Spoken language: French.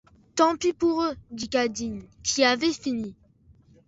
Tant pis pour eux ! dit Cadine, qui avait fini.